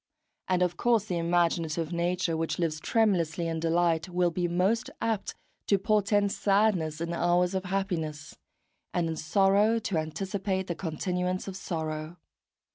And of course the imaginative nature which lives tremulously in delight will be most apt to portend sadness in hours of happiness, and in sorrow to anticipate the continuance of sorrow.